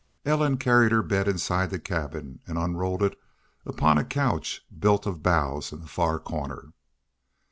Ellen carried her bed inside the cabin, and unrolled it upon a couch built of boughs in the far corner.